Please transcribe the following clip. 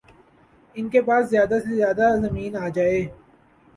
ان کے پاس زیادہ سے زیادہ زمین آجائے